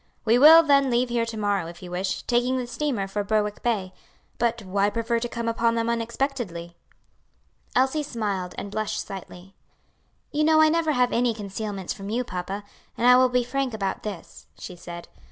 We Will, then, leave here to morrow, if you wish, taking the steamer for Berwick Bay. But why prefer to come upon them unexpectedly?" Elsie smiled, and blushed slightly. "You know I never have any concealments from you, papa, and I will be frank about this," she said.